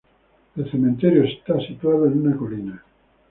El cementerio está situado en una colina.